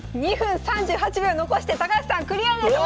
２分３８秒残して高橋さんクリアです！